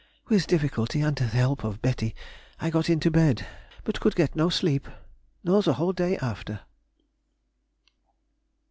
With difficulty, and the help of Betty, I got into bed, but could get no sleep, nor the whole day after.